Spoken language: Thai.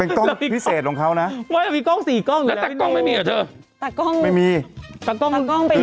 เป็นกล้องพิเศษของเขานะว้าวมีกล้องสี่กล้องอยู่แล้วแล้วตากล้องไม่มีเหรอเธอ